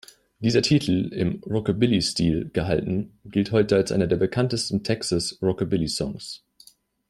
Dieser Titel, im Rockabilly-Stil gehalten, gilt heute als einer der bekanntesten Texas Rockabilly-Songs.